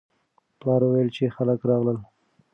پلار وویل چې خلک راغلل.